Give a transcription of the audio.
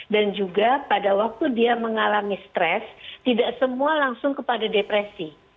dan juga pada waktu dia mengalami stres tidak semua langsung kepada depresi